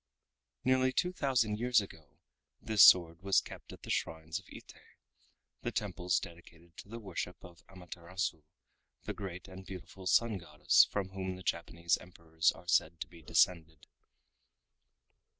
Nearly two thousand years ago this sword was kept at the shrines of Ite, the temples dedicated to the worship of Amaterasu, the great and beautiful Sun Goddess from whom the Japanese Emperors are said to be descended.